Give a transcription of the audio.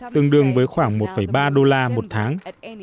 tương đương với khoảng một ba đô la một tháng